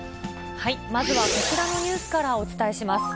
まずはこちらのニュースからお伝えします。